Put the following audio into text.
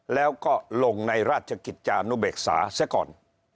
แล้วก็ลงในราชกิจจานุเบกษาเสียก่อน